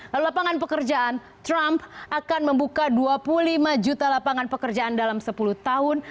lalu lapangan pekerjaan trump akan membuka dua puluh lima juta lapangan pekerjaan dalam sepuluh tahun